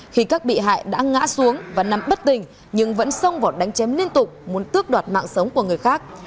khi các bị hại đã ngã xuống và nằm bất tình nhưng vẫn xông vào đánh chém liên tục muốn tước đoạt mạng sống của người khác